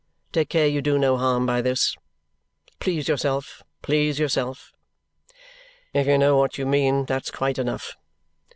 "Take care you do no harm by this." "Please yourself, please yourself." "If you know what you mean, that's quite enough."